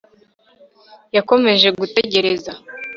yakomeje gutegereza